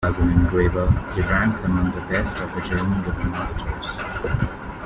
As an engraver, he ranks among the best of the German "Little Masters".